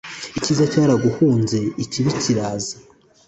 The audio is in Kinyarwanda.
ikiza cyaraguhunze ikibi kiraza